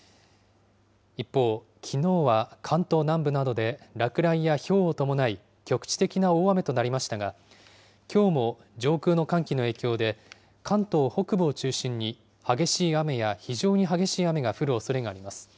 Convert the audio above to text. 一方、きのうは関東南部などで落雷やひょうを伴い、局地的な大雨となりましたが、きょうも上空の寒気の影響で関東北部を中心に激しい雨や非常に激しい雨が降るおそれがあります。